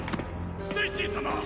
ステイシー様！